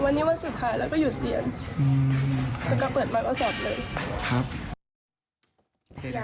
วันนี้วันสุดท้ายแล้วก็หยุดเรียนแล้วก็เปิดมาก็สอบเลยครับ